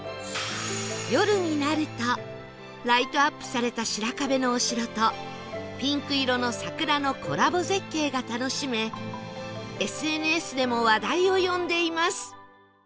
夜になるとライトアップされた白壁のお城とピンク色の桜のコラボ絶景が楽しめ ＳＮＳ でも話題を呼んでいます